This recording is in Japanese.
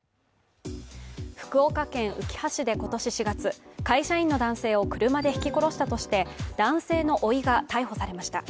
福岡県うきは市で今年４月、会社員の男性を車でひき殺したとして男性の、おいが逮捕されました。